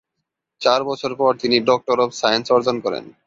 চার বছর পর তিনি ডক্টর অব সায়েন্স অর্জন করেন।